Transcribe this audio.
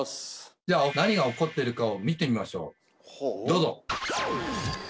じゃあ何が起こってるかを見てみましょうどうぞ！